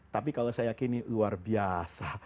tapi kalau saya yakini luar biasa